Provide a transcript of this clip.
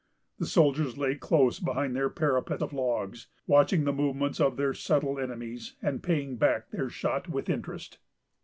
The soldiers lay close behind their parapet of logs, watching the movements of their subtle enemies, and paying back their shot with interest.